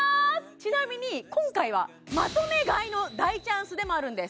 ちなみに今回はまとめ買いの大チャンスでもあるんです